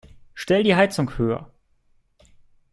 Stell die Heizung höher.